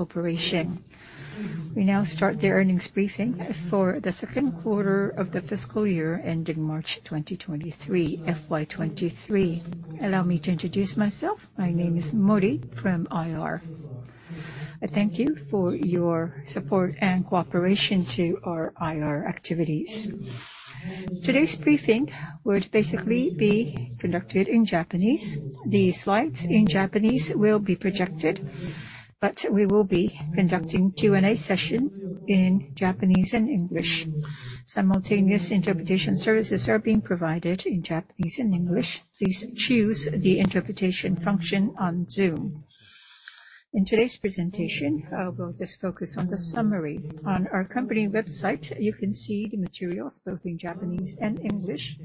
Corporation. We now start the earnings briefing for the Q2 of the fiscal year ending March 2023, FY 2023. Allow me to introduce myself. My name is Modi from IR. I thank you for your support and cooperation to our IR activities. Today's briefing would basically be conducted in Japanese. The slides in Japanese will be projected, but we will be conducting Q&A session in Japanese and English. Simultaneous interpretation services are being provided in Japanese and English. Please choose the interpretation function on Zoom. In today's presentation, we'll just focus on the summary. On our company website, you can see the materials both in Japanese and English.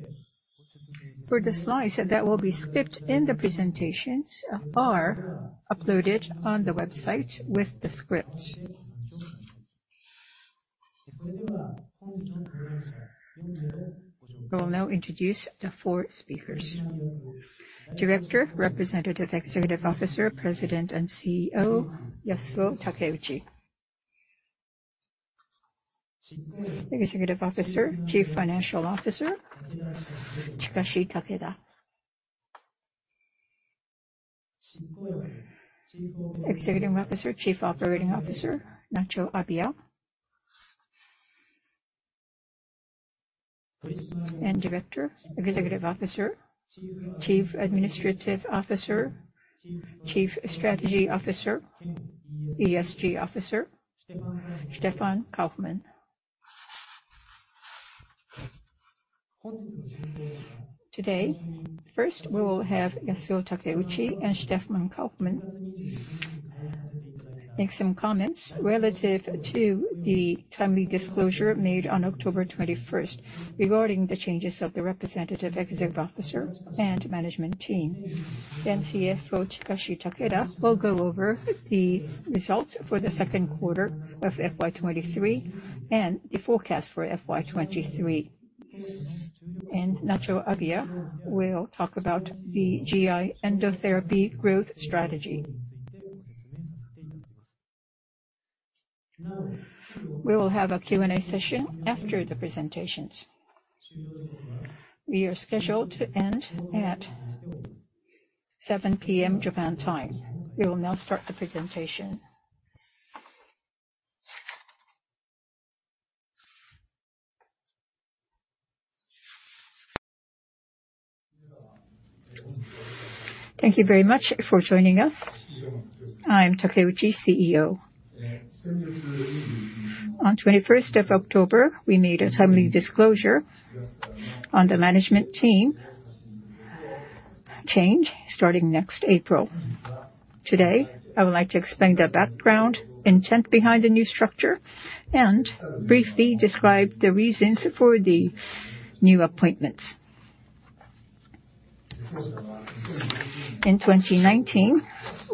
For the slides that will be used in the presentations are uploaded on the website with the scripts. I will now introduce the four speakers. Director, Representative Executive Officer, President, and CEO, Yasuo Takeuchi. Executive Officer, Chief Financial Officer, Chikashi Takeda. Executive Officer, Chief Operating Officer, Nacho Abia. Director, Executive Officer, Chief Administrative Officer, Chief Strategy Officer, ESG Officer, Stefan Kaufmann. Today, first, we will have Yasuo Takeuchi and Stefan Kaufmann make some comments relative to the timely disclosure made on October 21 regarding the changes of the representative executive officer and management team. Then CFO Chikashi Takeda will go over the results for the Q2 of FY 2023 and the forecast for FY 2023. Nacho Abia will talk about the GI Endotherapy growth strategy. We will have a Q&A session after the presentations. We are scheduled to end at 7:00 P.M. Japan time. We will now start the presentation. Thank you very much for joining us. I am Takeuchi, CEO. On 21st of October, we made a timely disclosure on the management team change starting next April. Today, I would like to explain the background intent behind the new structure and briefly describe the reasons for the new appointments. In 2019,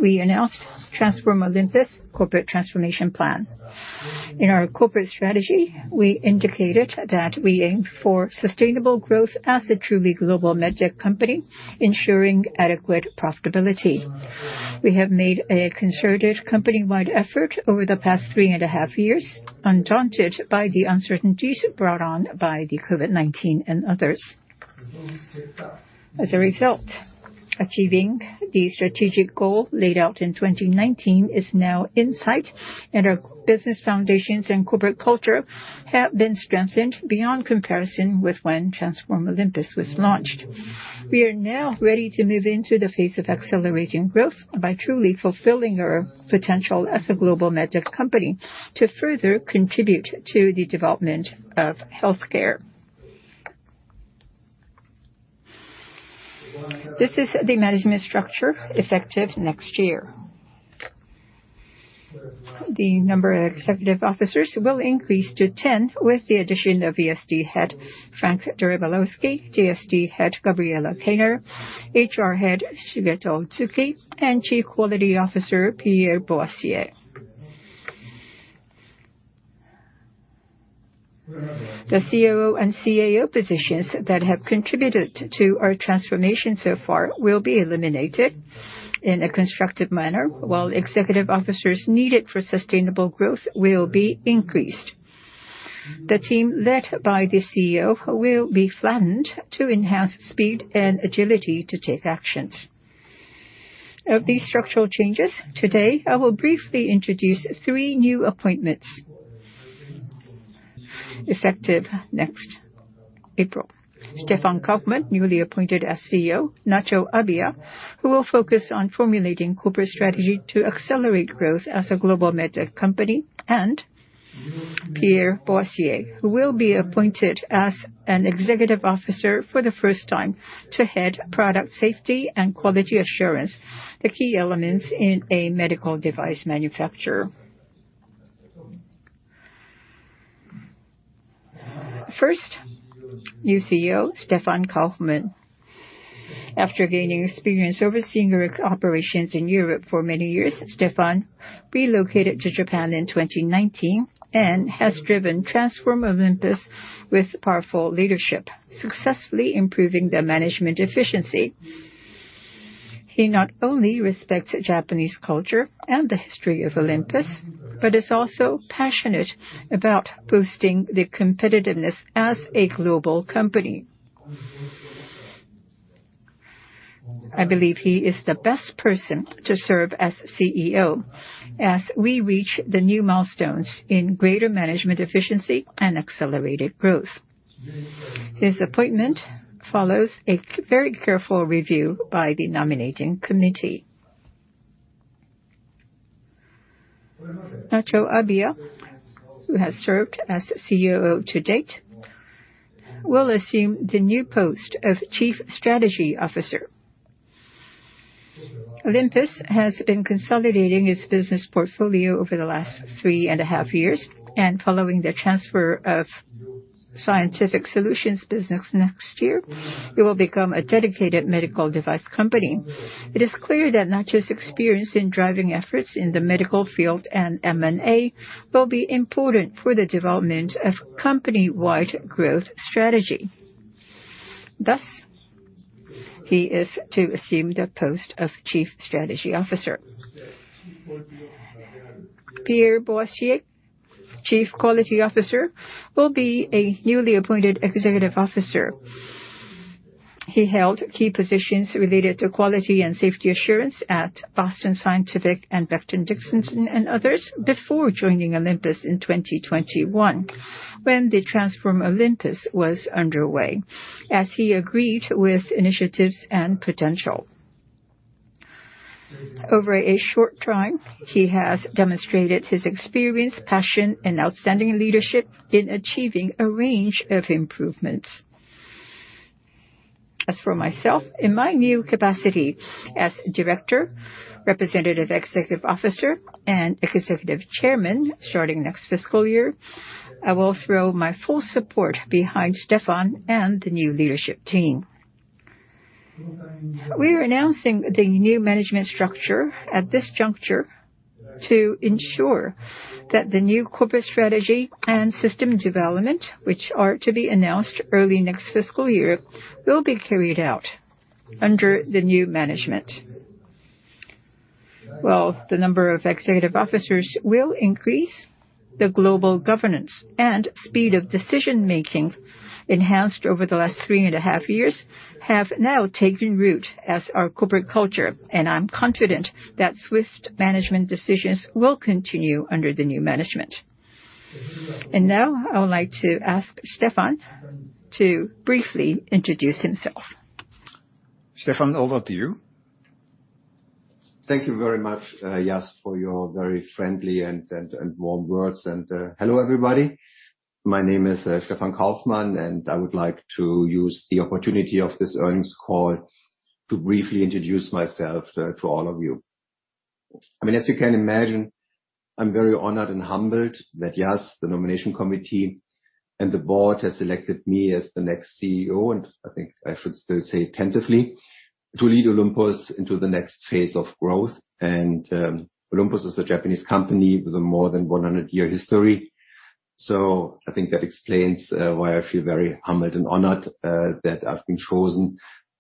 we announced Transform Olympus corporate transformation plan. In our corporate strategy, we indicated that we aim for sustainable growth as a truly global med tech company, ensuring adequate profitability. We have made a concerted company-wide effort over the past three and a half years, undaunted by the uncertainties brought on by the COVID-19 and others. As a result, achieving the strategic goal laid out in 2019 is now in sight, and our business foundations and corporate culture have been strengthened beyond comparison with when Transform Olympus was launched. We are now ready to move into the phase of accelerating growth by truly fulfilling our potential as a global med tech company to further contribute to the development of healthcare. This is the management structure effective next year. The number of executive officers will increase to 10 with the addition of ESD Head Frank Drewalowski, JSD Head Gabriela Kaynor, HR Head Shigeto Ohtsuki, and Chief Quality Officer Pierre Boisier. The COO and CAO positions that have contributed to our transformation so far will be eliminated in a constructive manner, while executive officers needed for sustainable growth will be increased. The team led by the CEO will be flattened to enhance speed and agility to take actions. Of these structural changes, today I will briefly introduce three new appointments effective next April. Stefan Kaufmann, newly appointed as CEO, Nacho Abia, who will focus on formulating corporate strategy to accelerate growth as a global med tech company, and Pierre Boisier, who will be appointed as an executive officer for the first time to head product safety and quality assurance, the key elements in a medical device manufacturer. First, new CEO, Stefan Kaufmann. After gaining experience overseeing our operations in Europe for many years, Stefan relocated to Japan in 2019 and has driven Transform Olympus with powerful leadership, successfully improving the management efficiency. He not only respects Japanese culture and the history of Olympus, but is also passionate about boosting the competitiveness as a global company. I believe he is the first person to serve as CEO as we reach the new milestones in greater management efficiency and accelerated growth. His appointment follows a very careful review by the nominating committee. Nacho Abia, who has served as CEO to date, will assume the new post of Chief Strategy Officer. Olympus has been consolidating its business portfolio over the last 3.5 years, and following the transfer of Scientific Solutions business next year, we will become a dedicated medical device company. It is clear that Nacho's experience in driving efforts in the medical field and M&A will be important for the development of company-wide growth strategy. Thus, he is to assume the post of Chief Strategy Officer. Pierre Boisier, Chief Quality Officer, will be a newly appointed executive officer. He held key positions related to quality and safety assurance at Boston Scientific Corporation and Becton, Dickinson and Company and others before joining Olympus in 2021 when the Transform Olympus was underway, as he agreed with initiatives and potential. Over a short time, he has demonstrated his experience, passion, and outstanding leadership in achieving a range of improvements. As for myself, in my new capacity as Director, Representative Executive Officer, and Executive Chairman starting next fiscal year, I will throw my full support behind Stefan and the new leadership team. We are announcing the new management structure at this juncture to ensure that the new corporate strategy and system development, which are to be announced early next fiscal year, will be carried out under the new management. While the number of executive officers will increase, the global governance and speed of decision-making enhanced over the last three and a half years have now taken root as our corporate culture, and I'm confident that swift management decisions will continue under the new management. Now I would like to ask Stefan to briefly introduce himself. Stefan, over to you. Thank you very much, Yas, for your very friendly and warm words. Hello, everybody. My name is Stefan Kaufmann, and I would like to use the opportunity of this earnings call to briefly introduce myself to all of you. I mean, as you can imagine, I'm very honored and humbled that Yas, the nomination committee, and the board has selected me as the next CEO, and I think I should still say tentatively, to lead Olympus into the next phase of growth. Olympus is a Japanese company with a more than 100-year history. So I think that explains why I feel very humbled and honored that I've been chosen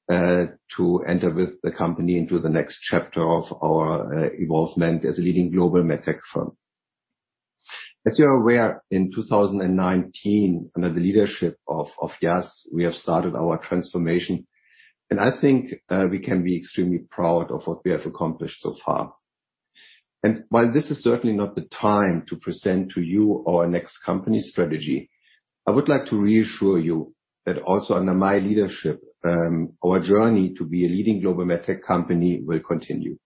to enter with the company into the next chapter of our evolvement as a leading global med tech firm. As you are aware, in 2019, under the leadership of Yas, we have started our transformation, and I think we can be extremely proud of what we have accomplished so far. While this is certainly not the time to present to you our next company strategy, I would like to reassure you that also under my leadership, our journey to be a leading global med tech company will continue.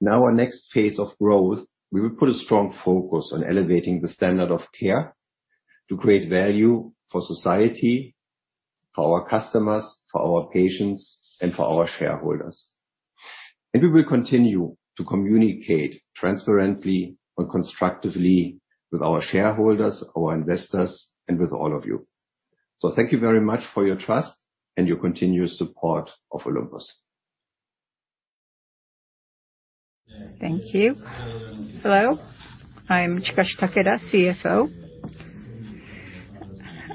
Now our next phase of growth, we will put a strong focus on elevating the standard of care to create value for society, for our customers, for our patients, and for our shareholders. We will continue to communicate transparently and constructively with our shareholders, our investors, and with all of you. Thank you very much for your trust and your continuous support of Olympus. Thank you. Hello, I'm Chikashi Takeda, CFO.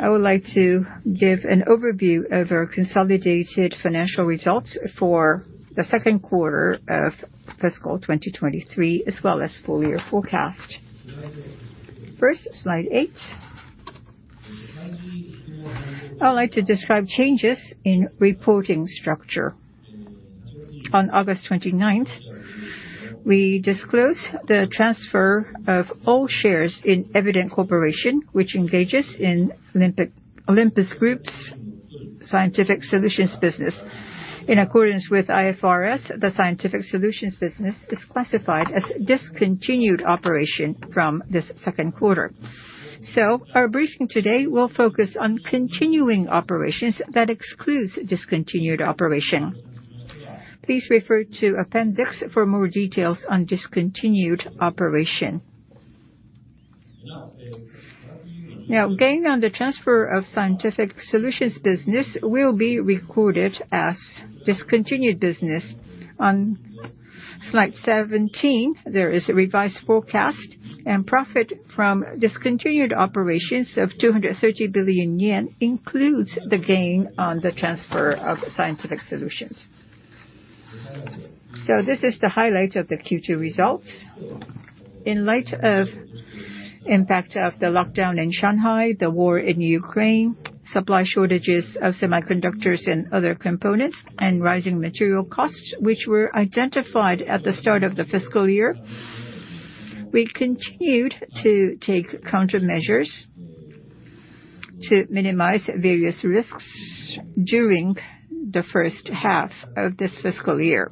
I would like to give an overview of our consolidated financial results for the Q2 of fiscal 2023, as well as full year forecast. First, slide 8. I'd like to describe changes in reporting structure. On August twenty-ninth, we disclosed the transfer of all shares in Evident Corporation, which engages in Olympus group's Scientific Solutions business. In accordance with IFRS, the Scientific Solutions business is classified as discontinued operation from thisQ2. Our briefing today will focus on continuing operations that excludes discontinued operation. Please refer to appendix for more details on discontinued operation. Now, gain on the transfer of Scientific Solutions business will be recorded as discontinued business on slide 17. There is a revised forecast and profit from discontinued operations of 230 billion yen includes the gain on the transfer of scientific solutions. This is the highlight of the Q2 results. In light of impact of the lockdown in Shanghai, the war in Ukraine, supply shortages of semiconductors and other components, and rising material costs, which were identified at the start of the fiscal year, we continued to take countermeasures to minimize various risks during the H1 of this fiscal year.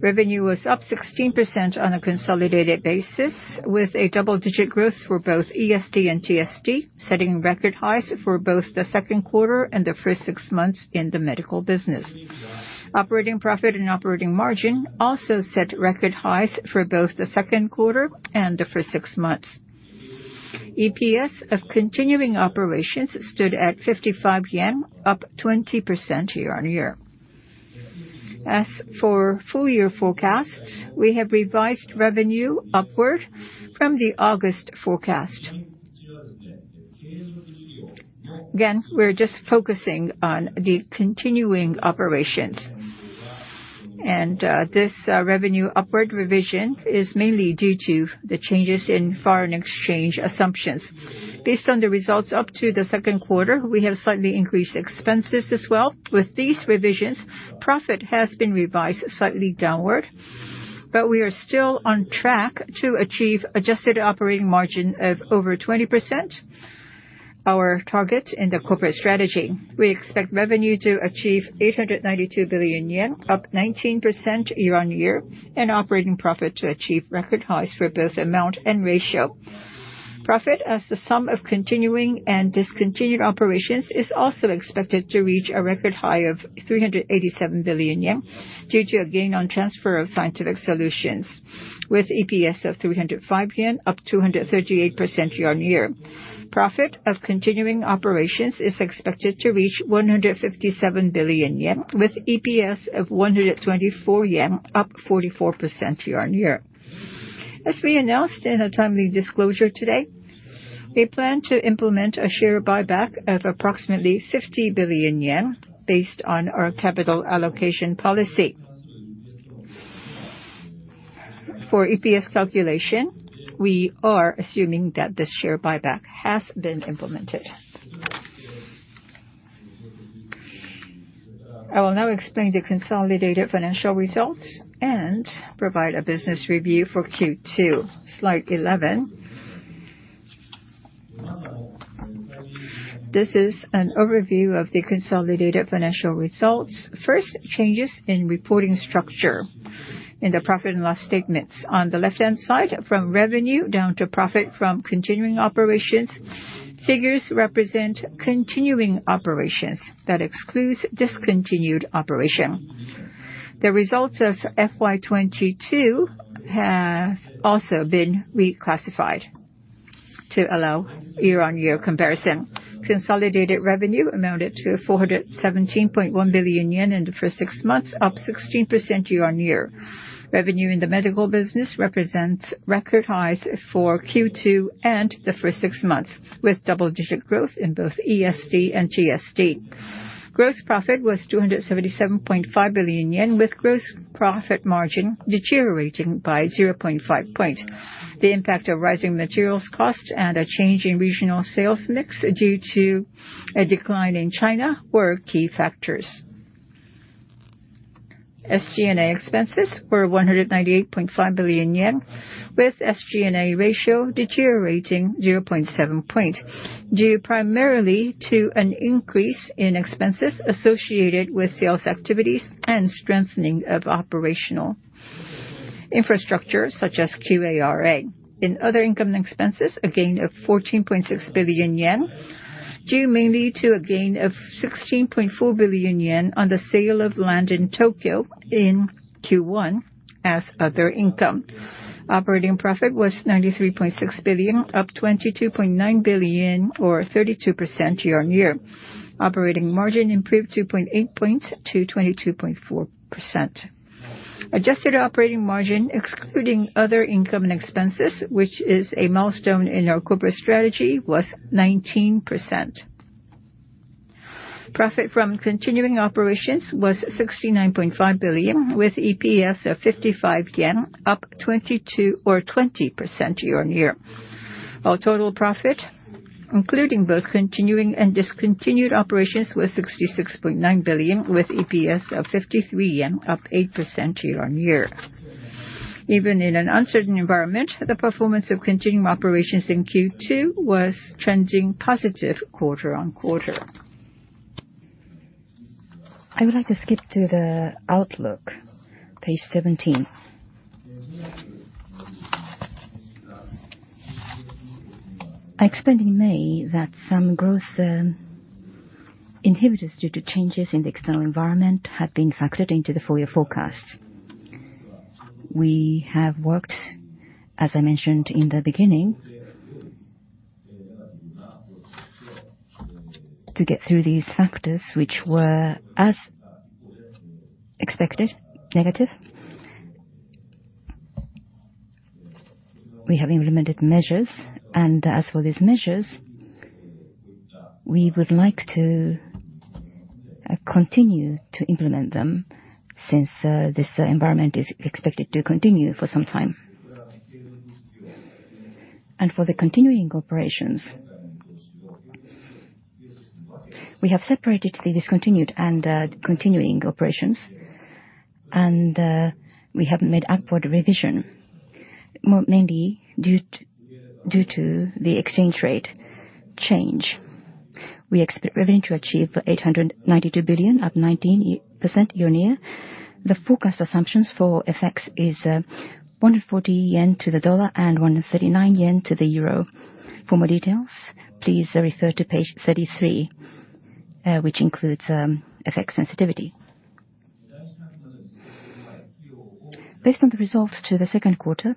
Revenue was up 16% on a consolidated basis, with a double-digit growth for both ESD and TSD, setting record highs for both the Q2 and the first six months in the medical business. Operating profit and operating margin also set record highs for both the Q2 and the first six months. EPS of continuing operations stood at 55 yen, up 20% year-on-year. As for full year forecast, we have revised revenue upward from the August forecast. Again, we're just focusing on the continuing operations. This revenue upward revision is mainly due to the changes in foreign exchange assumptions. Based on the results up to the Q2, we have slightly increased expenses as well. With these revisions, profit has been revised slightly downward, but we are still on track to achieve adjusted operating margin of over 20%, our target in the corporate strategy. We expect revenue to achieve 892 billion yen, up 19% year-on-year, and operating profit to achieve record highs for both amount and ratio. Profit as the sum of continuing and discontinued operations is also expected to reach a record high of 387 billion yen due to a gain on transfer of Scientific Solutions with EPS of 305 yen, up 238% year-on-year. Profit of continuing operations is expected to reach 157 billion yen, with EPS of 124 yen, up 44% year-on-year. As we announced in a timely disclosure today, we plan to implement a share buyback of approximately 50 billion yen based on our capital allocation policy. For EPS calculation, we are assuming that this share buyback has been implemented. I will now explain the consolidated financial results and provide a business review for Q2. Slide 11. This is an overview of the consolidated financial results. First, changes in reporting structure in the profit and loss statements. On the left-hand side, from revenue down to profit from continuing operations, figures represent continuing operations that excludes discontinued operation. The results of FY 2022 have also been reclassified to allow year-on-year comparison. Consolidated revenue amounted to 417.1 billion yen in the first six months, up 16% year-on-year. Revenue in the medical business represents record highs for Q2 and the first six months, with double-digit growth in both ESD and TSD. Gross profit was 277.5 billion yen, with gross profit margin deteriorating by 0.5 point. The impact of rising materials cost and a change in regional sales mix due to a decline in China were key factors. SG&A expenses were 198.5 billion yen, with SG&A ratio deteriorating 0.7 point, due primarily to an increase in expenses associated with sales activities and strengthening of operational infrastructure, such as QARA. In other income and expenses, a gain of 14.6 billion yen, due mainly to a gain of 16.4 billion yen on the sale of land in Tokyo in Q1 as other income. Operating profit was 93.6 billion, up 22.9 billion or 32% year-on-year. Operating margin improved 2.8 points to 22.4%. Adjusted operating margin, excluding other income and expenses, which is a milestone in our corporate strategy, was 19%. Profit from continuing operations was 69.5 billion, with EPS of 55 yen, up 22 or 20% year-on-year. Our total profit, including both continuing and discontinued operations, was 66.9 billion, with EPS of 53 yen, up 8% year-on-year. Even in an uncertain environment, the performance of continuing operations in Q2 was trending positive quarter-on-quarter. I would like to skip to the outlook, page 17. I explained in May that some growth inhibitors due to changes in the external environment had been factored into the full year forecast. We have worked, as I mentioned in the beginning, to get through these factors, which were, as expected, negative. We have implemented measures, and as for these measures, we would like to continue to implement them since this environment is expected to continue for some time. For the continuing operations, we have separated the discontinued and continuing operations. We have made upward revision, mainly due to the exchange rate change. We expect revenue to achieve 892 billion, up 19% year-on-year. The forecast assumptions for FX is 140 yen to the dollar and 139 yen to the euro. For more details, please refer to page 33, which includes FX sensitivity. Based on the results to the Q2,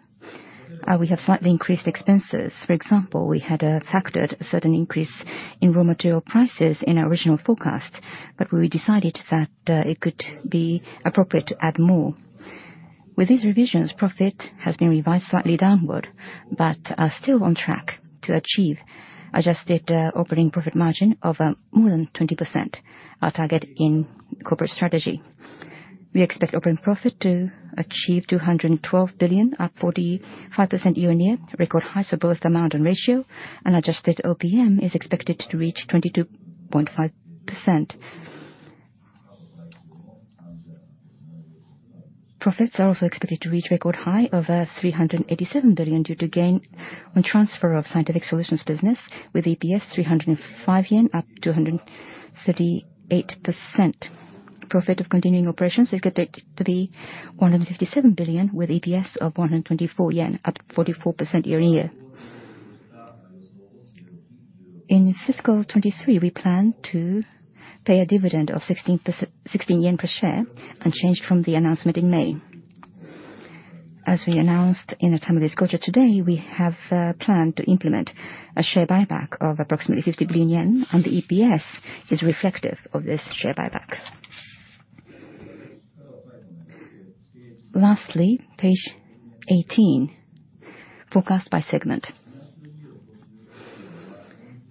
we have slightly increased expenses. For example, we had factored a certain increase in raw material prices in our original forecast, but we decided that it could be appropriate to add more. With these revisions, profit has been revised slightly downward, but are still on track to achieve adjusted operating profit margin of more than 20%, our target in corporate strategy. We expect operating profit to achieve 212 billion, up 45% year-on-year, record highs of both amount and ratio, and adjusted OPM is expected to reach 22.5%. Profits are also expected to reach record high of 387 billion due to gain on transfer of scientific solutions business, with EPS 305 yen up 238%. Profit of continuing operations is expected to be 157 billion, with EPS of 124 yen at 44% year-on-year. In fiscal 2023, we plan to pay a dividend of 16 yen per share, unchanged from the announcement in May. As we announced in the time of this quarter today, we have planned to implement a share buyback of approximately 50 billion yen, and the EPS is reflective of this share buyback. Lastly, page 18, forecast by segment.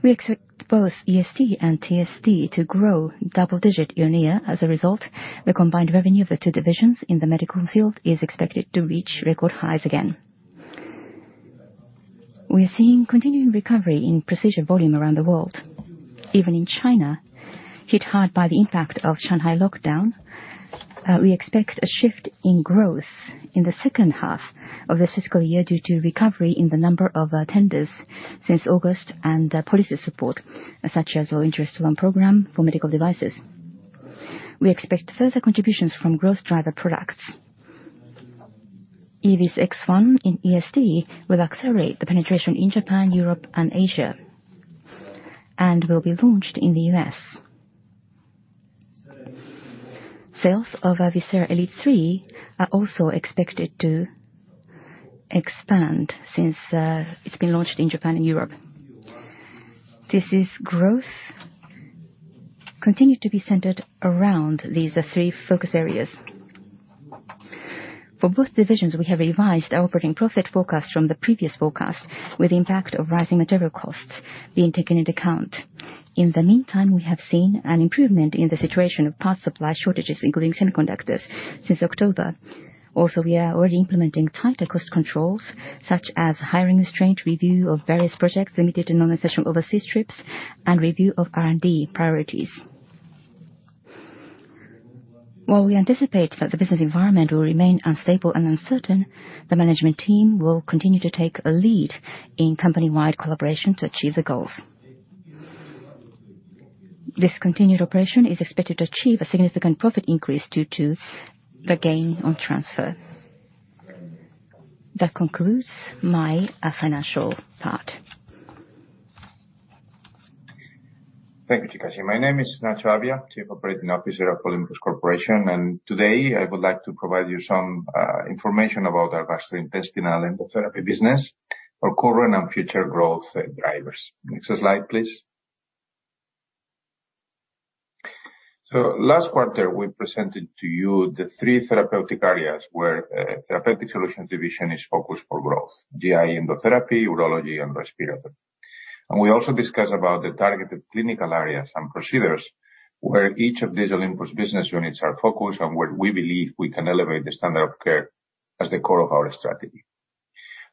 We expect both ESD and TSD to grow double digits year-on-year. As a result, the combined revenue of the two divisions in the medical field is expected to reach record highs again. We are seeing continuing recovery in procedure volume around the world. Even in China, hit hard by the impact of Shanghai lockdown, we expect a shift in growth in the H2 of the fiscal year due to recovery in the number of tenders since August and policy support, such as low interest loan program for medical devices. We expect further contributions from growth driver products. EVIS X1 in ESD will accelerate the penetration in Japan, Europe and Asia, and will be launched in the US. Sales of VISERA ELITE III are also expected to expand since it's been launched in Japan and Europe. This is growth continued to be centered around these three focus areas. For both divisions, we have revised our operating profit forecast from the previous forecast, with the impact of rising material costs being taken into account. In the meantime, we have seen an improvement in the situation of parts supply shortages, including semiconductors, since October. Also, we are already implementing tighter cost controls such as hiring restraint, review of various projects limited to non-essential overseas trips, and review of R&D priorities. While we anticipate that the business environment will remain unstable and uncertain, the management team will continue to take a lead in company-wide collaboration to achieve the goals. Discontinued operation is expected to achieve a significant profit increase due to the gain on transfer. That concludes my financial part. Thank you, Chikashi. My name is Nacho Abia, Chief Operating Officer of Olympus Corporation, and today I would like to provide you some information about our gastrointestinal endotherapy business for current and future growth drivers. Next slide, please. Last quarter, we presented to you the three therapeutic areas where Therapeutic Solutions Division is focused for growth: GI Endotherapy, urology and respiratory. We also discussed about the targeted clinical areas and procedures where each of these Olympus business units are focused and where we believe we can elevate the standard of care as the core of our strategy.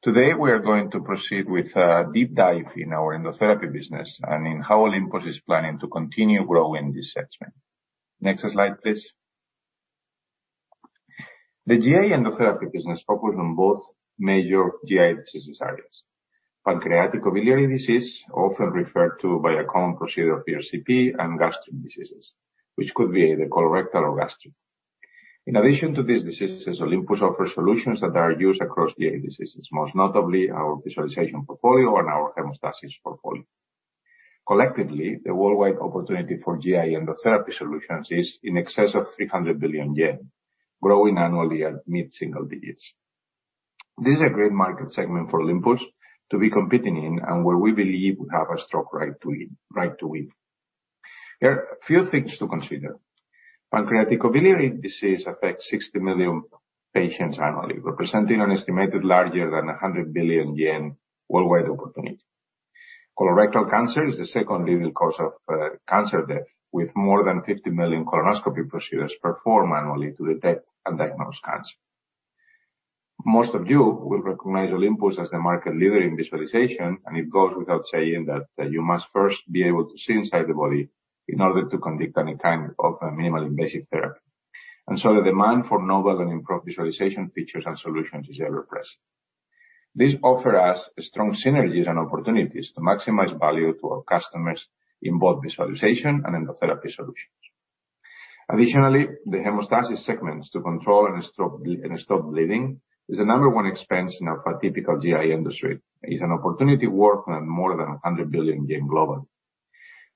Today, we are going to proceed with a deep dive in our endotherapy business and in how Olympus is planning to continue growing this segment. Next slide, please. The GI Endotherapy business focuses on both major GI diseases areas. Pancreaticobiliary disease, often referred to by a common procedure, ERCP, and gastric diseases, which could be either colorectal or gastric. In addition to these diseases, Olympus offers solutions that are used across GI diseases, most notably our visualization portfolio and our hemostasis portfolio. Collectively, the worldwide opportunity for GI Endotherapy solutions is in excess of 300 billion yen, growing annually at mid-single digits. This is a great market segment for Olympus to be competing in, and where we believe we have a strong right to win, right to win. There are a few things to consider. Pancreaticobiliary disease affects 60 million patients annually, representing an estimated larger than 100 billion yen worldwide opportunity. Colorectal cancer is the second leading cause of cancer death, with more than 50 million colonoscopy procedures performed annually to detect and diagnose cancer. Most of you will recognize Olympus as the market leader in visualization, and it goes without saying that you must first be able to see inside the body in order to conduct any kind of minimally invasive therapy. The demand for novel and improved visualization features and solutions is ever-present. This offers us strong synergies and opportunities to maximize value to our customers in both visualization and endotherapy solutions. Additionally, the hemostasis segments to control and stop bleeding is the number one expense in a typical GI industry, is an opportunity worth more than 100 billion yen globally.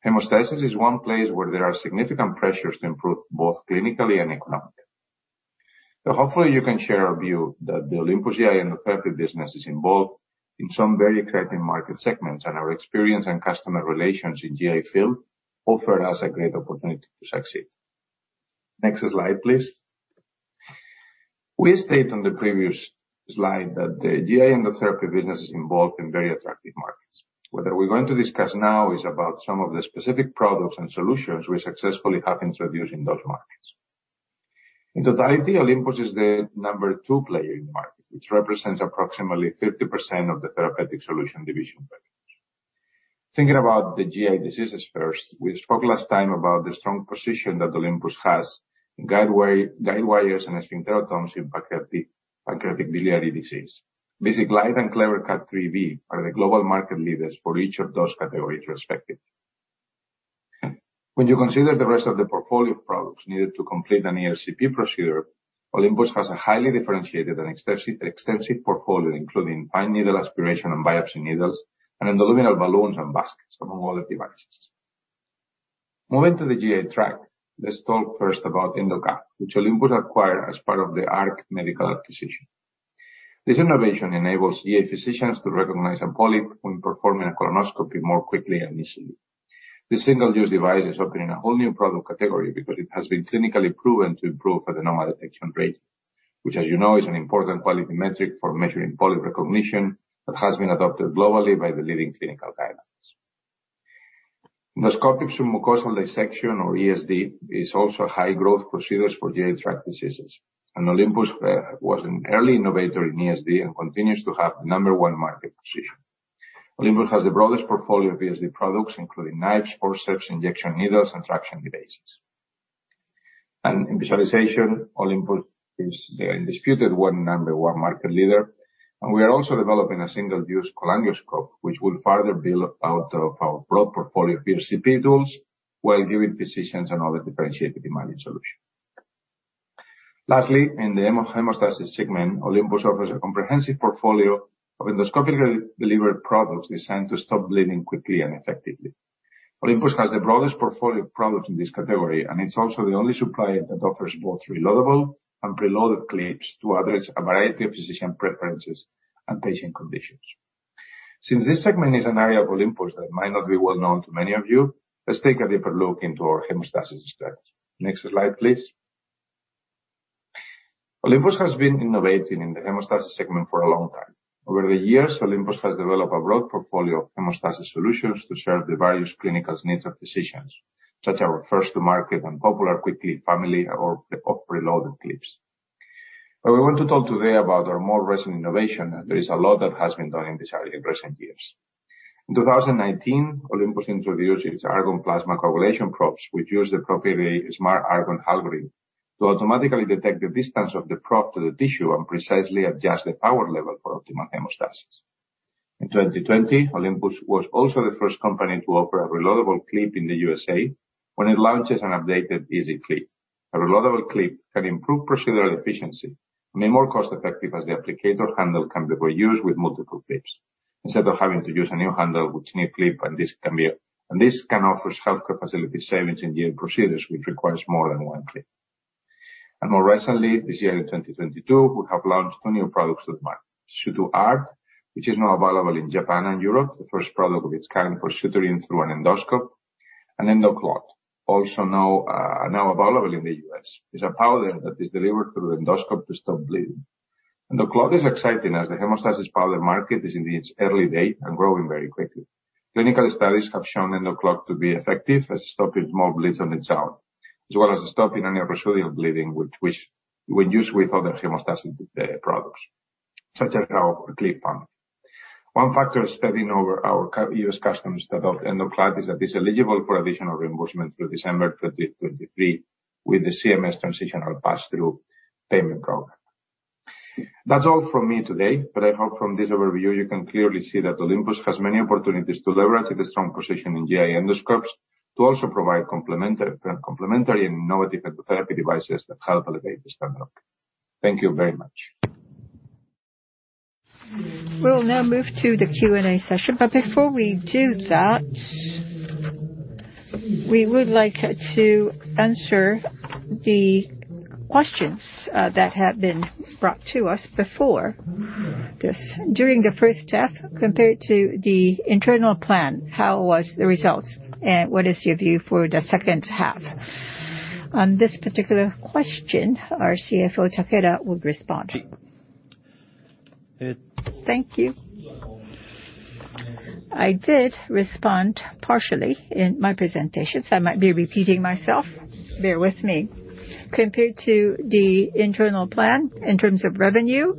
Hemostasis is one place where there are significant pressures to improve, both clinically and economically. Hopefully you can share our view that the Olympus GI Endotherapy business is involved in some very exciting market segments, and our experience and customer relations in GI field offer us a great opportunity to succeed. Next slide, please. As stated on the previous slide that the GI Endotherapy business is involved in very attractive markets. What we're going to discuss now is about some of the specific products and solutions we successfully have introduced in those markets. In totality, Olympus is the No. 2 player in the market, which represents approximately 50% of the Therapeutic Solutions Division revenue. Thinking about the GI diseases first, we spoke last time about the strong position that Olympus has in guidewires and sphincterotomes in pancreaticobiliary disease. VisiGlide and CleverCut 3V are the global market leaders for each of those categories, respectively. When you consider the rest of the portfolio of products needed to complete an ERCP procedure, Olympus has a highly differentiated and extensive portfolio, including fine needle aspiration and biopsy needles, and intraluminal balloons and baskets, among other devices. Moving to the GI tract, let's talk first about ENDOCUFF, which Olympus acquired as part of the Arc Medical acquisition. This innovation enables GI physicians to recognize a polyp when performing a colonoscopy more quickly and easily. This single-use device is opening a whole new product category because it has been clinically proven to improve adenoma detection rate, which as you know, is an important quality metric for measuring polyp recognition that has been adopted globally by the leading clinical guidelines. Endoscopic submucosal dissection, or ESD, is also a high-growth procedures for GI tract diseases. Olympus was an early innovator in ESD and continues to have the number one market position. Olympus has the broadest portfolio of ESD products, including knives, forceps, injection needles, and traction devices. In visualization, Olympus is the undisputed number one market leader, and we are also developing a single-use colonoscope, which will further build out of our broad portfolio of ERCP tools, while giving physicians another differentiated demanding solution. Lastly, in the hemostasis segment, Olympus offers a comprehensive portfolio of endoscopically delivered products designed to stop bleeding quickly and effectively. Olympus has the broadest portfolio of products in this category, and it's also the only supplier that offers both reloadable and preloaded clips to address a variety of physician preferences and patient conditions. Since this segment is an area of Olympus that might not be well known to many of you, let's take a deeper look into our hemostasis strategy. Next slide, please. Olympus has been innovating in the hemostasis segment for a long time. Over the years, Olympus has developed a broad portfolio of hemostasis solutions to serve the various clinical needs of physicians, such as our first to market and popular QuickClip family of preloaded clips. We want to talk today about our more recent innovation, and there is a lot that has been done in this area in recent years. In 2019, Olympus introduced its argon plasma coagulation probes, which use the proprietary smart argon algorithm to automatically detect the distance of the probe to the tissue and precisely adjust the power level for optimal hemostasis. In 2020, Olympus was also the first company to offer a reloadable clip in the USA when it launches an updated EZ Clip. A reloadable clip can improve procedural efficiency and be more cost effective as the applicator handle can be reused with multiple clips, instead of having to use a new handle with new clip, and this can offers healthcare facilities savings in ERCP procedures which requires more than one clip. More recently, this year in 2022, we have launched two new products to the market. SutuArt, which is now available in Japan and Europe, the first product of its kind for suturing through an endoscope. EndoClot, also now available in the U.S. It's a powder that is delivered through an endoscope to stop bleeding. EndoClot is exciting as the hemostasis powder market is in its early days and growing very quickly. Clinical studies have shown EndoClot to be effective at stopping small bleeds on its own, as well as stopping any procedural bleeding which, when used with other hemostasis products, such as our QuickClip family. One factor standing out to our U.S. customers about EndoClot is that it's eligible for additional reimbursement through December 2023 with the CMS Transitional Pass-Through Payment Program. That's all from me today, but I hope from this overview you can clearly see that Olympus has many opportunities to leverage the strong position in GI endoscopes to also provide complementary and innovative endotherapy devices that help elevate the standard of care. Thank you very much. We'll now move to the Q&A session. Before we do that, we would like to answer the questions that have been brought to us before this. During the H1 compared to the internal plan, how was the results, and what is your view for the H2? On this particular question, our CFO, Takeda, will respond. Thank you. I did respond partially in my presentation, so I might be repeating myself. Bear with me. Compared to the internal plan in terms of revenue,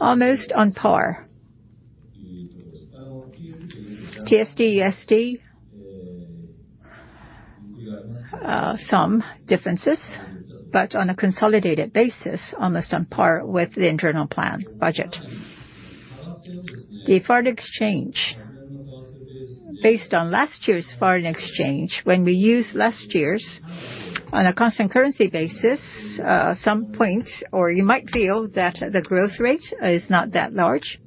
almost on par. TSD, ESD, some differences, but on a consolidated basis, almost on par with the internal plan budget. The foreign exchange. Based on last year's foreign exchange, when we use last year's on a constant currency basis, some points, or you might feel that the growth rate is not that large.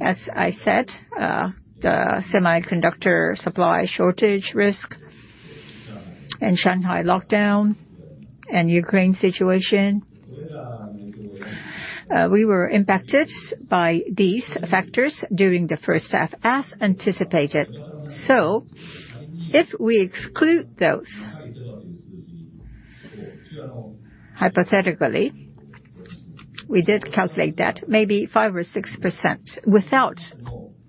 As I said, the semiconductor supply shortage risk and Shanghai lockdown and Ukraine situation, we were impacted by these factors during the H1 as anticipated.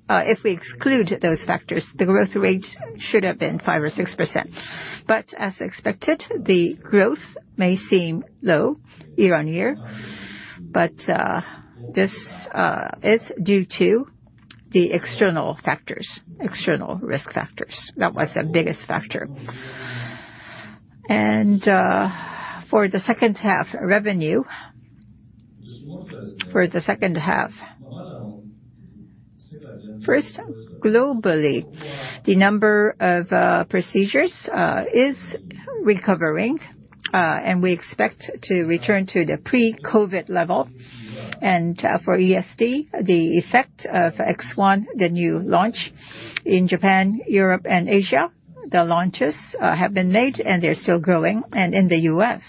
If we exclude those factors, the growth rate should have been 5% or 6%. As expected, the growth may seem low year-on-year, but this is due to the external factors, external risk factors. That was the biggest factor. For the H2 revenue. First, globally, the number of procedures is recovering, and we expect to return to the pre-COVID level. For ESD, the effect of X1, the new launch in Japan, Europe, and Asia, the launches have been made, and they're still growing. In the US,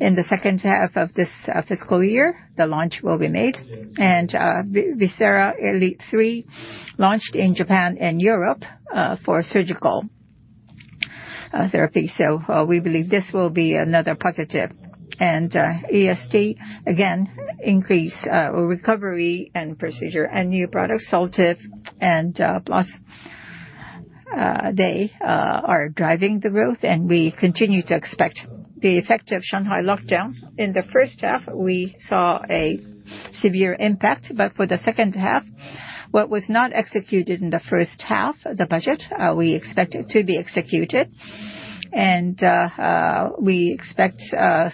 in the H2 of this fiscal year, the launch will be made. VISERA ELITE III launched in Japan and Europe for surgical therapy. We believe this will be another positive. ESD again increased recovery and procedure. New products, SOLTIVE and Plus, they are driving the growth, and we continue to expect. The effect of Shanghai lockdown. In the H1, we saw a severe impact, but for the H2, what was not executed in the H1, the budget, we expect it to be executed. We expect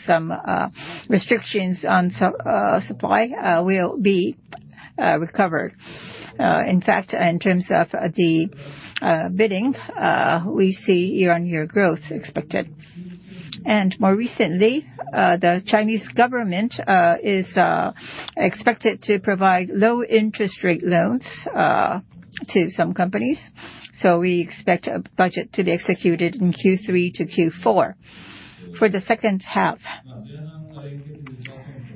some restrictions on some supply will be recovered. In fact, in terms of the bidding, we see year-on-year growth expected. More recently, the Chinese government is expected to provide low-interest rate loans to some companies. We expect a budget to be executed in Q3 to Q4. For the H2,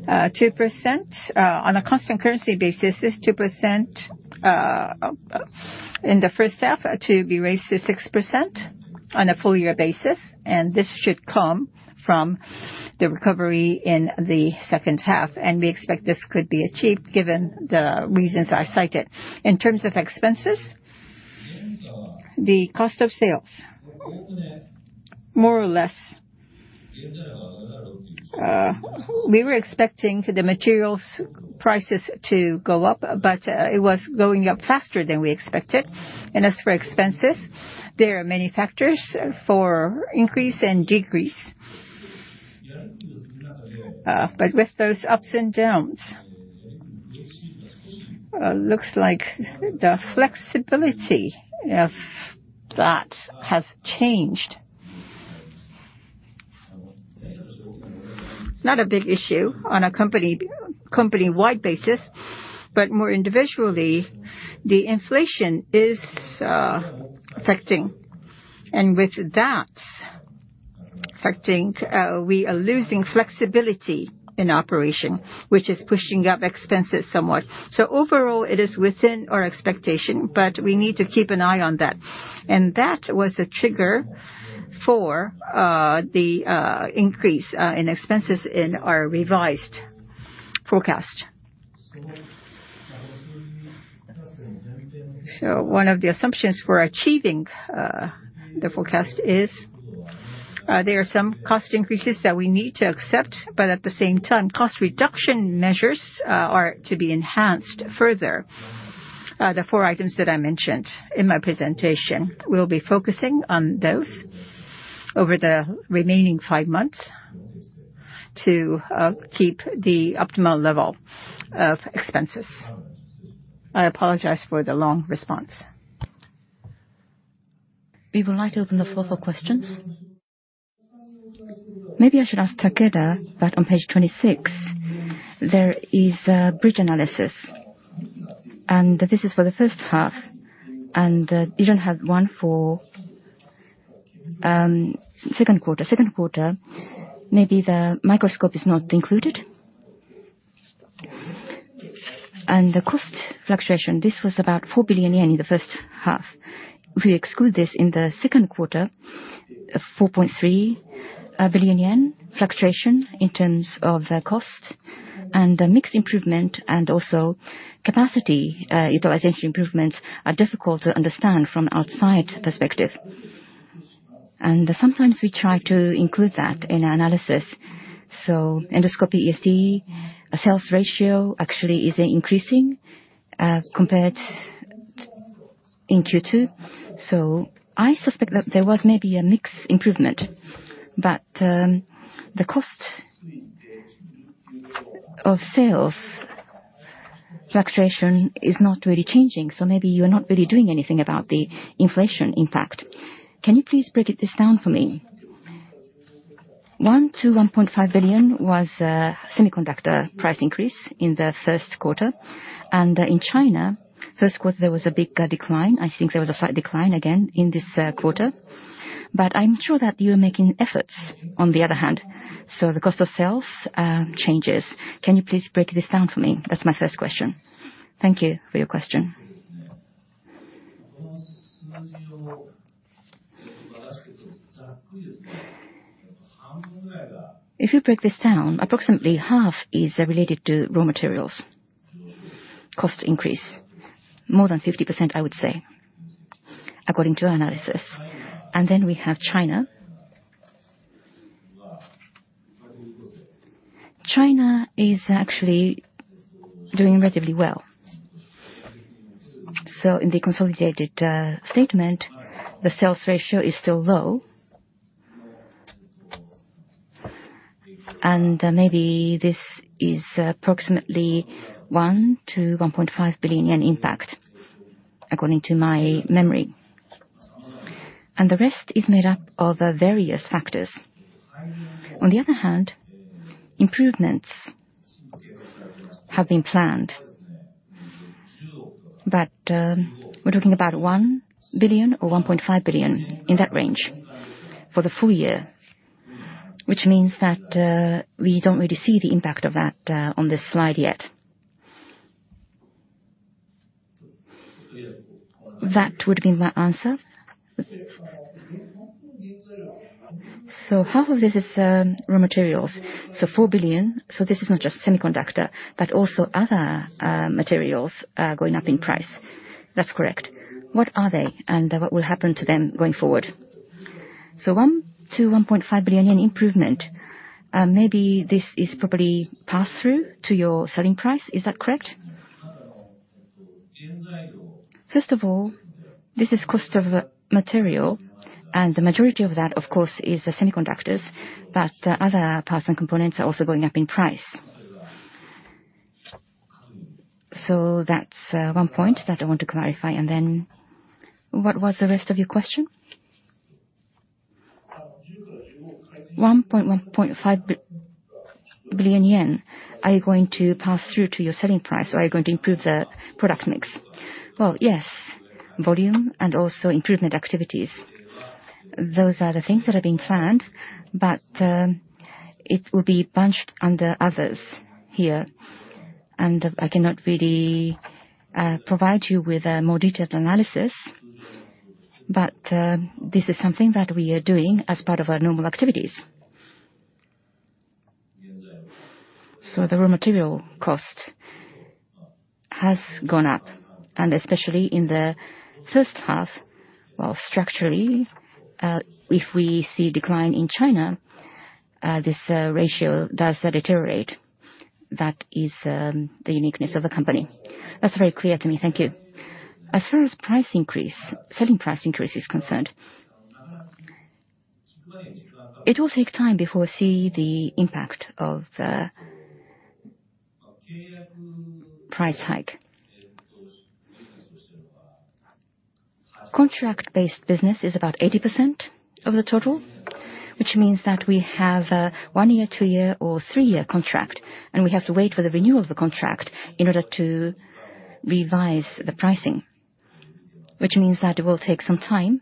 2% on a constant currency basis, this 2% in the H1 to be raised to 6% on a full year basis, and this should come from the recovery in the H2. We expect this could be achieved given the reasons I cited. In terms of expenses, the cost of sales, more or less, we were expecting the materials prices to go up, but it was going up faster than we expected. As for expenses, there are many factors for increase and decrease. With those ups and downs, looks like the flexibility of that has changed. It's not a big issue on a company-wide basis, but more individually, the inflation is affecting. With that affecting, we are losing flexibility in operation, which is pushing up expenses somewhat. Overall, it is within our expectation, but we need to keep an eye on that. That was a trigger for the increase in expenses in our revised forecast. One of the assumptions for achieving the forecast is there are some cost increases that we need to accept, but at the same time, cost reduction measures are to be enhanced further. The four items that I mentioned in my presentation, we'll be focusing on those over the remaining five months to keep the optimal level of expenses. I apologize for the long response. We would like to open the floor for questions. Maybe I should ask Takeda, but on page 26, there is a bridge analysis, and this is for the H1, and you don't have one for Q2. Q2, maybe the microscope is not included. Yes. The cost fluctuation, this was about 4 billion yen in the H1. If we exclude this in the Q2, 4.3 billion yen fluctuation in terms of costs and mixed improvement and also capacity utilization improvements are difficult to understand from outside perspective. Sometimes we try to include that in our analysis. Endoscopy EGD sales ratio actually is increasing compared in Q2. I suspect that there was maybe a mix improvement, but the cost of sales fluctuation is not really changing, so maybe you're not really doing anything about the inflation impact. Can you please break this down for me? 1 to 1.5 billion was semiconductor price increase in the Q1. In China, Q1, there was a big decline. I think there was a slight decline again in this quarter. But I'm sure that you're making efforts on the other hand, so the cost of sales changes. Can you please break this down for me? That's my first question. Thank you for your question. If you break this down, approximately half is related to raw materials cost increase, more than 50%, I would say, according to our analysis. Then we have China. China is actually doing relatively well. In the consolidated statement, the sales ratio is still low. Maybe this is approximately 1 to 1.5 billion yen impact, according to my memory. The rest is made up of various factors. On the other hand, improvements have been planned. We're talking about 1 billion or 1.5 billion in that range for the full year, which means that we don't really see the impact of that on this slide yet. That would be my answer. Half of this is raw materials, so 4 billion. This is not just semiconductor, but also other materials going up in price. That's correct. What are they and what will happen to them going forward? 1 to 1.5 billion yen improvement, maybe this is probably pass-through to your selling price. Is that correct? First of all, this is cost of material, and the majority of that, of course, is the semiconductors. Other parts and components are also going up in price. That's one point that I want to clarify. Then what was the rest of your question? 1.5 billion yen are you going to pass through to your selling price? Are you going to improve the product mix? Yes. Volume and also improvement activities. Those are the things that are being planned, but it will be bunched under others here. I cannot really provide you with a more detailed analysis. This is something that we are doing as part of our normal activities. The raw material cost has gone up, and especially in the H1. Structurally, if we see a decline in China, this ratio does deteriorate. That is the uniqueness of the company. That's very clear to me. Thank you. As far as price increase, selling price increase is concerned, it will take time before we see the impact of the price hike. Contract-based business is about 80% of the total, which means that we have a 1-year, 2-year, or 3-year contract, and we have to wait for the renewal of the contract in order to revise the pricing. Which means that it will take some time,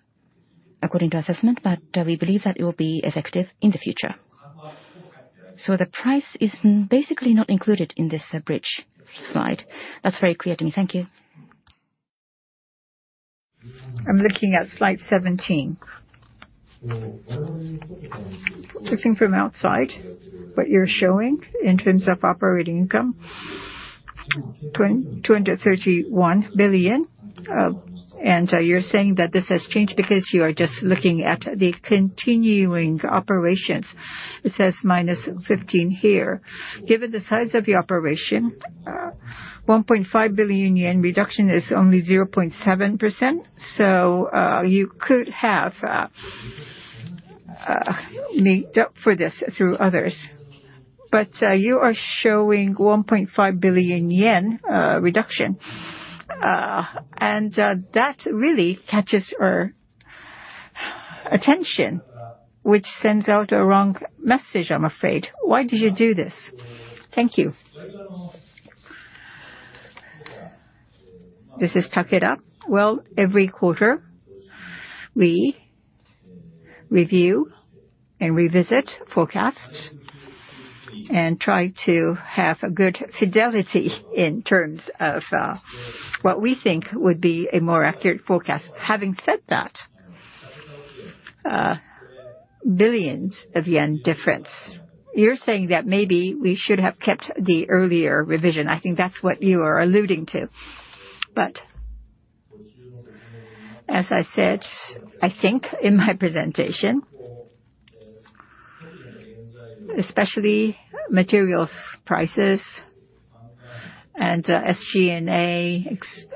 according to assessment, but we believe that it will be effective in the future. The price is basically not included in this bridge slide. That's very clear to me. Thank you. I'm looking at slide 17. Looking from outside, what you're showing in terms of operating income, 231 billion, and you're saying that this has changed because you are just looking at the continuing operations. It says minus 1.5 here. Given the size of the operation, 1.5 billion yen reduction is only 0.7%. You could have made up for this through others. You are showing 1.5 billion yen reduction. And that really catches our attention, which sends out a wrong message, I'm afraid. Why did you do this? Thank you. This is Takeda. Well, every quarter we review and revisit forecasts and try to have a good fidelity in terms of what we think would be a more accurate forecast. Having said that, billions of yen difference. You're saying that maybe we should have kept the earlier revision. I think that's what you are alluding to. As I said, I think in my presentation. Especially materials prices and, SG&A, ex,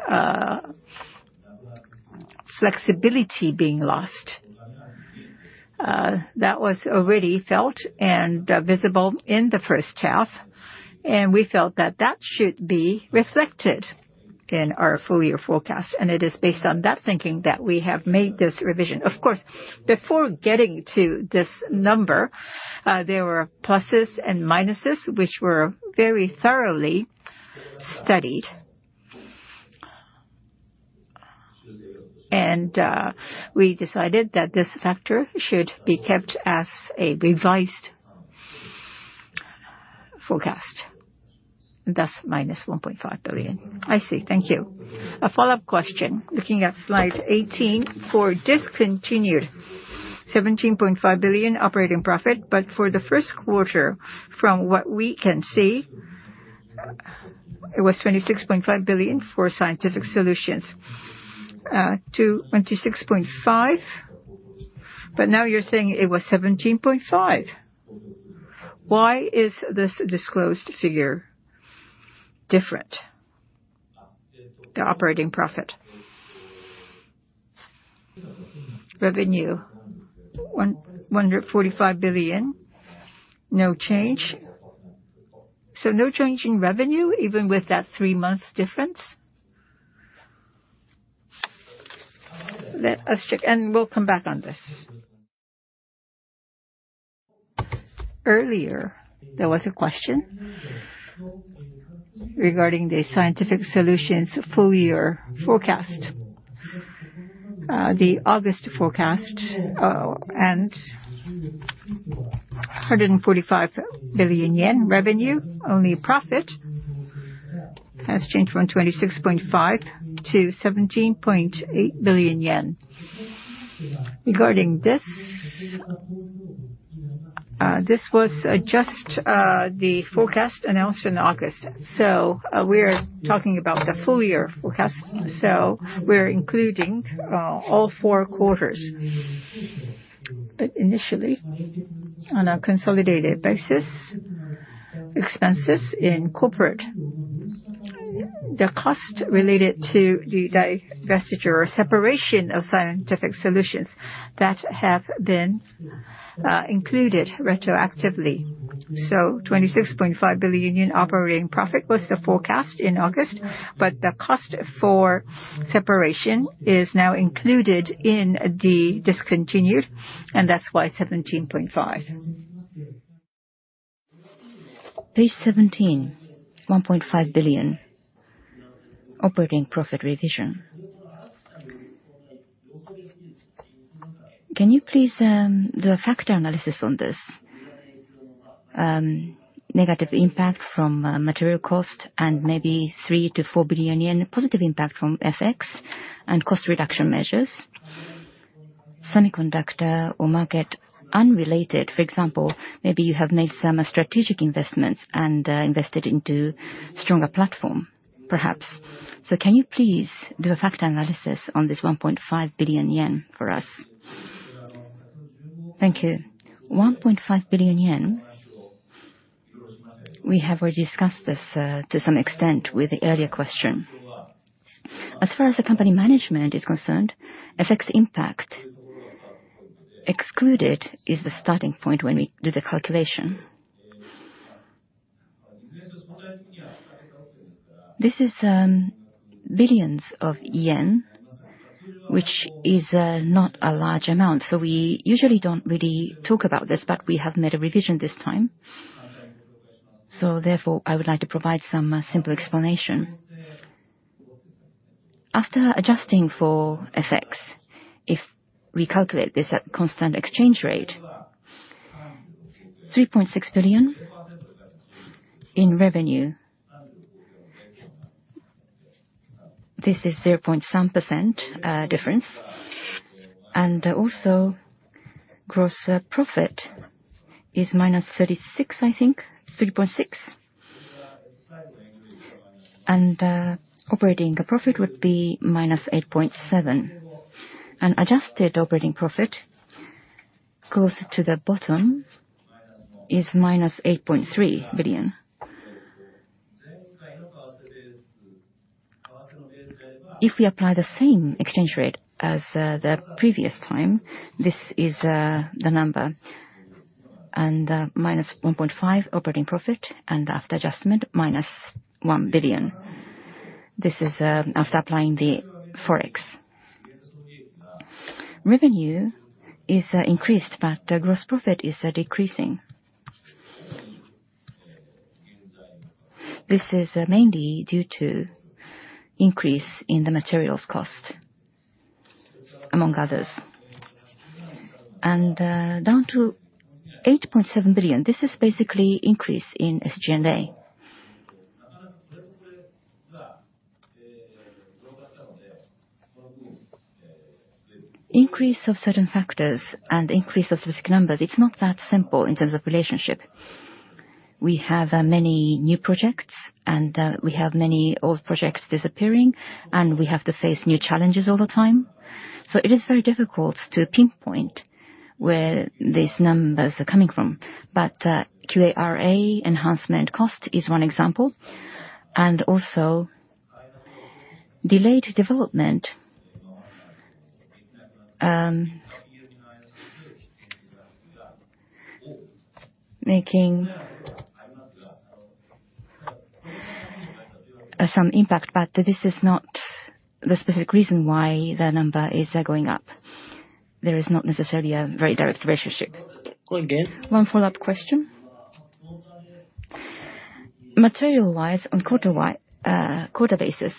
flexibility being lost. That was already felt and, visible in the H1, and we felt that that should be reflected in our full year forecast. It is based on that thinking that we have made this revision. Of course, before getting to this number, there were pluses and minuses which were very thoroughly studied. We decided that this factor should be kept as a revised forecast, thus -1.5 billion. I see. Thank you. A follow-up question. Looking at slide 18 for discontinued 17.5 billion operating profit, but for the Q1, from what we can see, it was 26.5 billion for scientific solutions. To 26.5, but now you're saying it was 17.5. Why is this disclosed figure different, the operating profit? Revenue JPY 145 billion. No change. No change in revenue even with that three-month difference? Let us check, and we'll come back on this. Earlier, there was a question regarding the scientific solutions full year forecast. The August forecast, and 145 billion yen revenue, only profit has changed from 26.5 to 17.8 billion yen. Regarding this was just the forecast announced in August. We are talking about the full year forecast, so we're including all four quarters. Initially, on a consolidated basis, expenses in corporate, the cost related to the divestiture or separation of Scientific Solutions that have been included retroactively. 26.5 billion operating profit was the forecast in August, but the cost for separation is now included in the discontinued, and that's why 17.5. Page 17, 1.5 billion operating profit revision. Can you please the factor analysis on this, negative impact from material cost and maybe 3 to 4 billion positive impacts from FX and cost reduction measures, semiconductor or market unrelated? For example, maybe you have made some strategic investments and invested into stronger platform, perhaps. Can you please do a factor analysis on this 1.5 billion yen for us? Thank you. 1.5 billion yen, we have already discussed this to some extent with the earlier question. As far as the company management is concerned, FX impact excluded is the starting point when we do the calculation. This is billions of yen, which is not a large amount, so we usually don't really talk about this, but we have made a revision this time. Therefore, I would like to provide some simple explanation. After adjusting for FX, if we calculate this at constant exchange rate, 3.6 billion in revenue. This is 0. something% difference. Also, gross profit is -36, I think. 3.6%. Operating profit would be -8.7 billion. Adjusted operating profit goes to the bottom is JPY -8.3 billion. If we apply the same exchange rate as the previous time, this is the number. -1.5 billion operating profit and after adjustment, -1 billion. This is after applying the FX. Revenue is increased, but gross profit is decreasing. This is mainly due to increase in the materials cost, among others. Down to 8.7 billion, this is basically increase in SG&A. Increase of certain factors and increase of specific numbers, it's not that simple in terms of relationship. We have many new projects, and we have many old projects disappearing, and we have to face new challenges all the time. It is very difficult to pinpoint where these numbers are coming from. QARA enhancement cost is one example. Also delayed development, making some impact, but this is not the specific reason why the number is going up. There is not necessarily a very direct relationship. Go again. One follow-up question. Material-wise on quarter basis,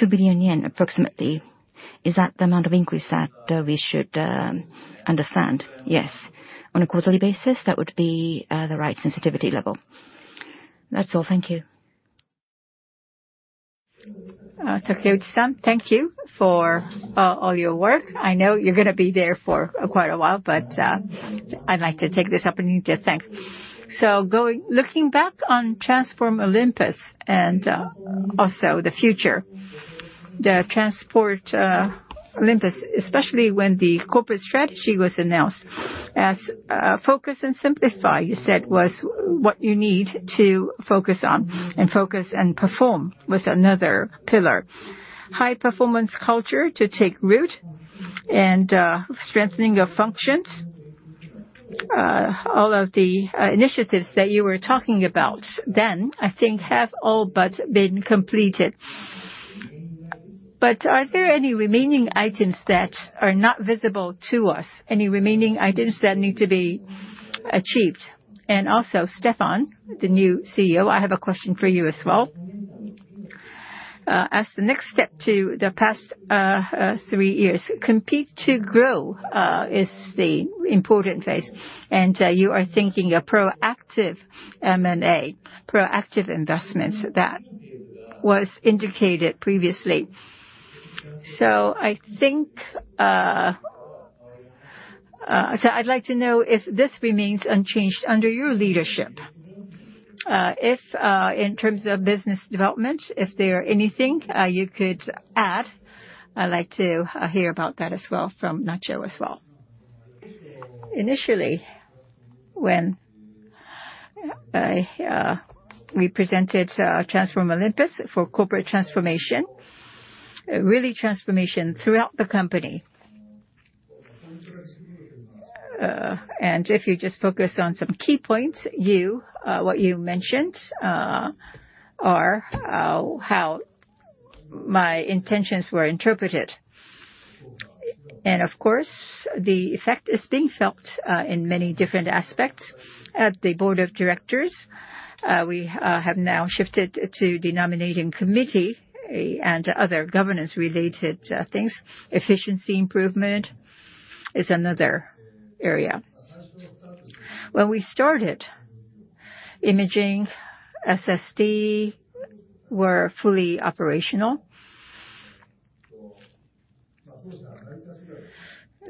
2 billion yen approximately. Is that the amount of increase that we should understand? Yes. On a quarterly basis, that would be the right sensitivity level. That's all. Thank you. Takeuchi-san, thank you for all your work. I know you're gonna be there for quite a while, but I'd like to take this opportunity to thank. Looking back on Transform Olympus and also the future, the Transform Olympus, especially when the corporate strategy was announced as focus and simplify, you said, was what you need to focus on, and focus and perform was another pillar. High-performance culture to take root and strengthening your functions, all of the initiatives that you were talking about then, I think have all but been completed. Are there any remaining items that are not visible to us? Any remaining items that need to be achieved? And also, Stefan, the new CEO, I have a question for you as well. As the next step to the past three years, Compete to Grow is the important phase, and you are thinking a proactive M&A, proactive investments that was indicated previously. I'd like to know if this remains unchanged under your leadership. If, in terms of business development, if there are anything you could add, I'd like to hear about that as well from Nacho. Initially, when we presented Transform Olympus for corporate transformation, really transformation throughout the company. If you just focus on some key points, what you mentioned are how my intentions were interpreted. Of course, the effect is being felt in many different aspects. At the board of directors, we have now shifted to the nominating committee and other governance related things. Efficiency improvement is another area. When we started, imaging, SSD were fully operational.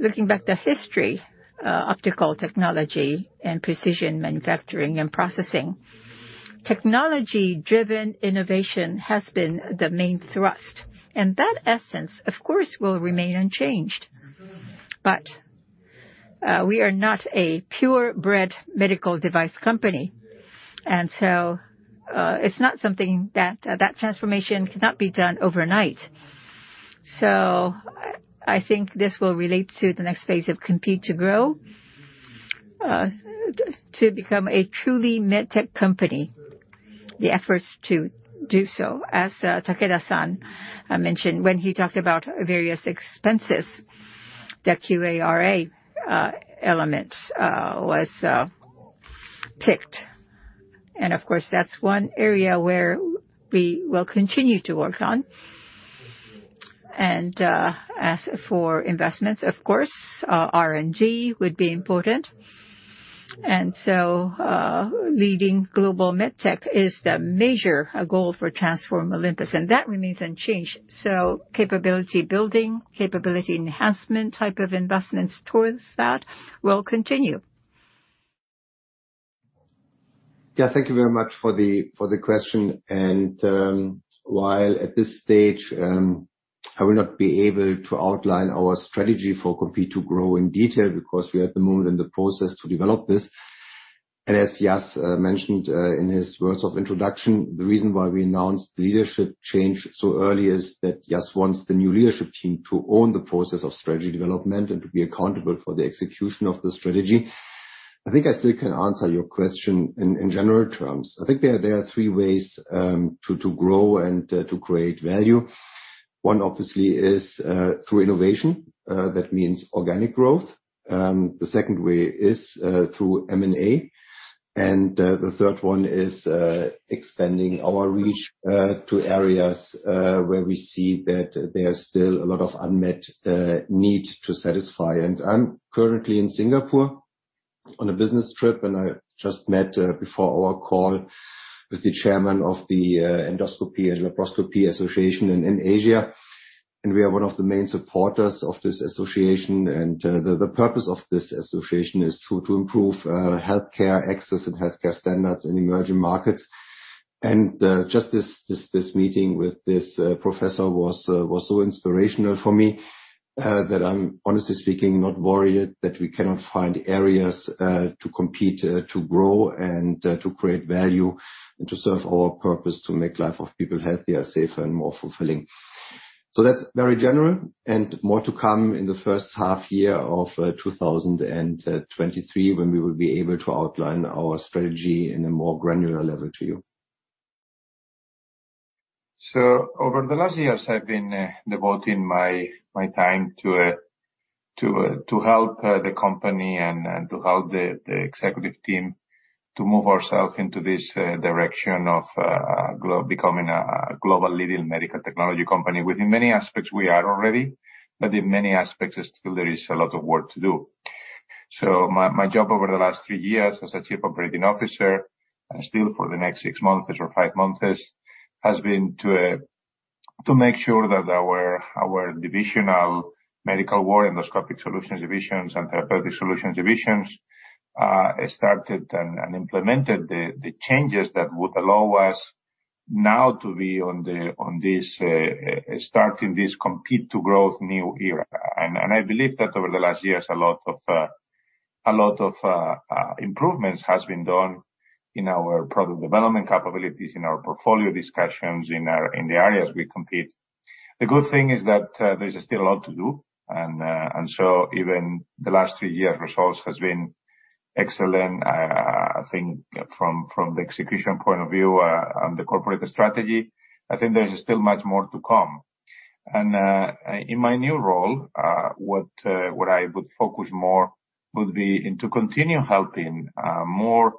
Looking back at the history, optical technology and precision manufacturing and processing technology-driven innovation has been the main thrust. That essence, of course, will remain unchanged. We are not a purebred medical device company, and so it's not something that transformation cannot be done overnight. I think this will relate to the next phase of compete to grow to become a truly med tech company, the efforts to do so. As Takeda-san mentioned when he talked about various expenses, the QARA element was picked. Of course, that's one area where we will continue to work on. As for investments, of course, R&D would be important. Leading global med tech is the major goal for Transform Olympus, and that remains unchanged. Capability building, capability enhancement type of investments towards that will continue. Yeah, thank you very much for the question. While at this stage, I will not be able to outline our strategy to compete to grow in detail because we are at the moment in the process to develop this. As Yasuo Takeuchi mentioned in his words of introduction, the reason why we announced leadership change so early is that Yasuo Takeuchi wants the new leadership team to own the process of strategy development and to be accountable for the execution of the strategy. I think I still can answer your question in general terms. I think there are three ways to grow and to create value. One obviously is through innovation, that means organic growth. The second way is through M&A, and the third one is extending our reach to areas where we see that there's still a lot of unmet need to satisfy. I'm currently in Singapore on a business trip, and I just met before our call with the chairman of the Endoscopic and Laparoscopic Surgeons of Asia. We are one of the main supporters of this association. The purpose of this association is to improve healthcare access and healthcare standards in emerging markets. Just this meeting with this professor was so inspirational for me that I'm honestly speaking, not worried that we cannot find areas to compete, to grow and to create value and to serve our purpose to make life of people healthier, safer, and more fulfilling. That's very general and more to come in the H1 year of 2023 when we will be able to outline our strategy in a more granular level to you. Over the last years, I've been devoting my time to help the company and to help the executive team to move ourselves into this direction of becoming a global leading medical technology company. Within many aspects we are already, but in many aspects still there is a lot of work to do. My job over the last three years as chief operating officer and still for the next six months or five months has been to make sure that our divisional medical board, Endoscopic Solutions Division, and Therapeutic Solutions Division started and implemented the changes that would allow us now to be on this starting this commit to growth new era. I believe that over the last years, a lot of improvements has been done in our product development capabilities, in our portfolio discussions in our, in the areas we compete. The good thing is that, there's still a lot to do. Even the last three years results has been excellent. I think from the execution point of view, and the corporate strategy, I think there's still much more to come. In my new role, what I would focus more would be to continue helping more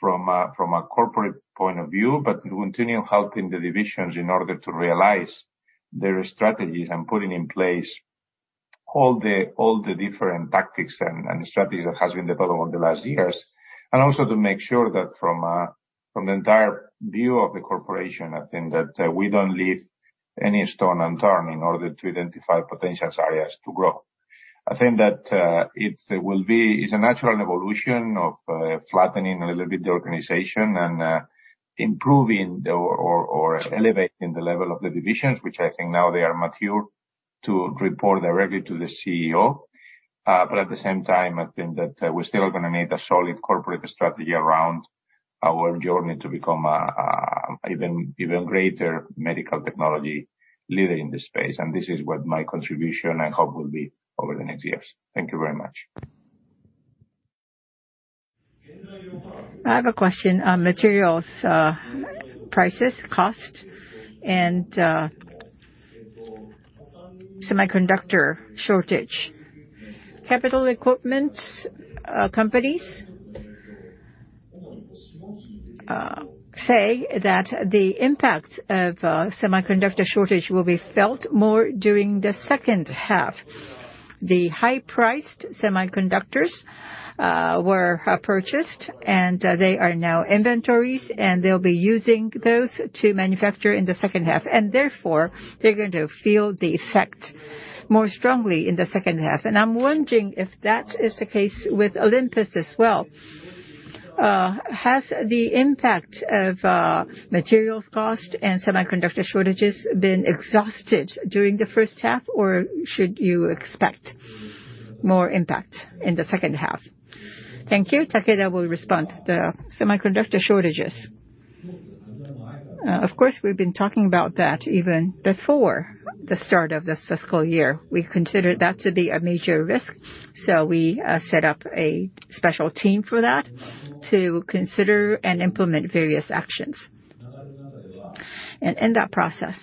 from a corporate point of view, but to continue helping the divisions in order to realize their strategies and putting in place all the different tactics and strategies that has been developed over the last years. Also to make sure that from the entire view of the corporation, I think that we don't leave any stone unturned in order to identify potential areas to grow. I think that it will be a natural evolution of flattening a little bit the organization and elevating the level of the divisions, which I think now they are mature to report directly to the CEO. at the same time, I think that we're still gonna need a solid corporate strategy around our journey to become a even greater medical technology leader in this space. This is what my contribution I hope will be over the next years. Thank you very much. I have a question on materials, prices, cost, and semiconductor shortage. Capital equipment companies say that the impact of semiconductor shortage will be felt more during the H2. The high-priced semiconductors were purchased and they are now inventories, and they'll be using those to manufacture in the H2. Therefore, they're going to feel the effect more strongly in the H2. I'm wondering if that is the case with Olympus as well. Has the impact of materials cost and semiconductor shortages been exhausted during the H1, or should you expect more impact in the H2? Thank you. Takeda will respond. The semiconductor shortages. Of course, we've been talking about that even before the start of this fiscal year. We considered that to be a major risk, so we set up a special team for that to consider and implement various actions. In that process,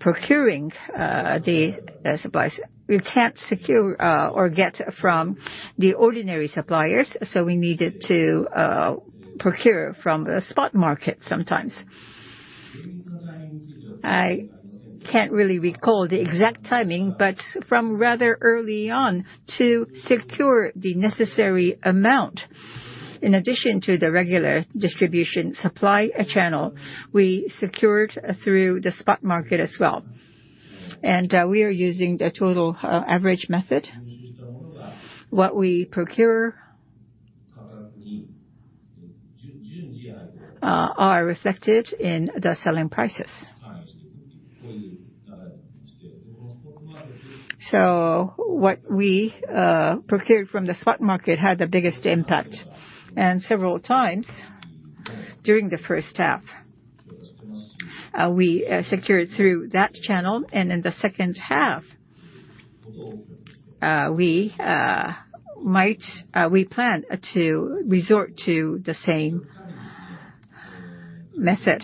procuring the supplies we can't secure or get from the ordinary suppliers, so we needed to procure from the spot market sometimes. I can't really recall the exact timing, but from rather early on to secure the necessary amount in addition to the regular distribution supply channel, we secured through the spot market as well. We are using the total average method. What we procure are reflected in the selling prices. What we procured from the spot market had the biggest impact, and several times during the H1, we secured through that channel. In the H2, we might. We plan to resort to the same method.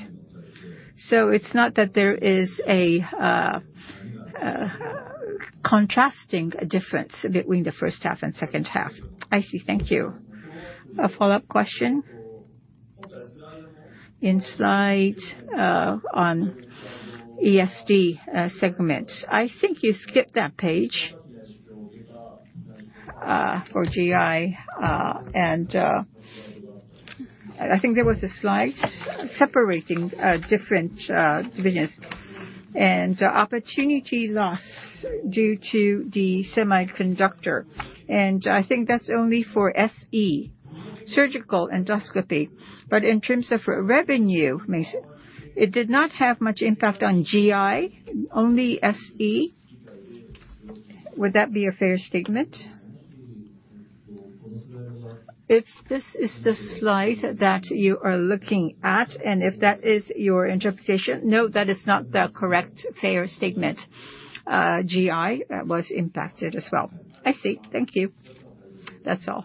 It's not that there is a contrasting difference between the H1 and H2. I see. Thank you. A follow-up question. In slide on ESD segment, I think you skipped that page for GI. I think there was a slide separating different divisions and opportunity loss due to the semiconductor, and I think that's only for SE, surgical endoscopy. But in terms of revenue, it did not have much impact on GI, only SE? Would that be a fair statement? If this is the slide that you are looking at, and if that is your interpretation, no, that is not the correct fair statement. GI was impacted as well. I see. Thank you. That's all.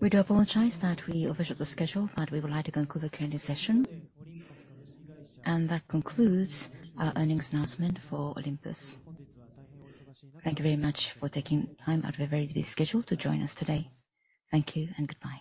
We do apologize that we overshot the schedule, but we would like to conclude the Q&A session. That concludes our earnings announcement for Olympus. Thank you very much for taking time out of your very busy schedule to join us today. Thank you and goodbye.